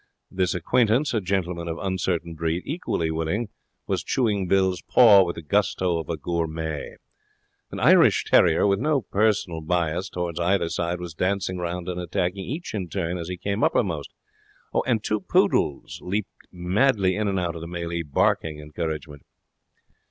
The acquaintance, a gentleman of uncertain breed, equally willing, was chewing Bill's paw with the gusto of a gourmet. An Irish terrier, with no personal bias towards either side, was dancing round and attacking each in turn as he came uppermost. And two poodles leaped madly in and out of the melee, barking encouragement.